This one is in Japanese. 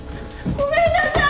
ごめんなさい！